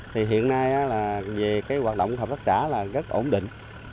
thì hiện nay là về cái hoạt động của hợp tác xã là rất ổn định